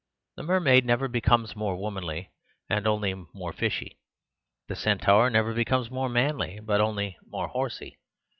The mermaid never becomes more womanly, but only more fishy. The centaur never becomes more manly, but only more horsy.